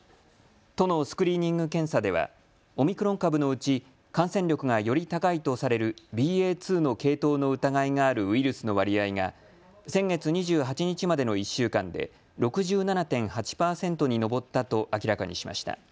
都のスクリーニング検査ではオミクロン株のうち感染力がより高いとされるＢＡ．２の系統の疑いがあるウイルスの割合が先月２８日までの１週間で６７．８％に上ったと明らかにしました。